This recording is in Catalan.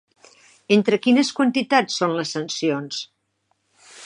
Entre quines quantitats són les sancions?